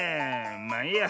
まあいいや。